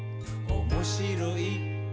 「おもしろい？